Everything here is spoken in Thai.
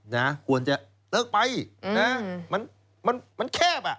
นะควรจะเลิกไปนะมันแคบ